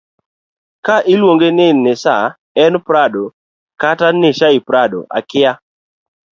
ka iluonge ni nisaa en prado kata nishaiprado akia